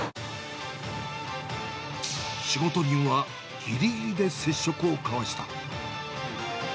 仕事人はぎりぎりで接触をかわした。